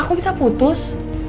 kok bisa putus